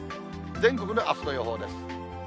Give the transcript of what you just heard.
全国のあすの予報です。